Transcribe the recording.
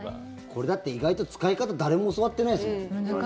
これ、だって意外と使い方誰も教わってないですよ。